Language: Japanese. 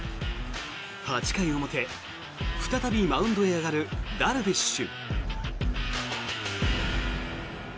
８回表、再びマウンドへ上がるダルビッシュ。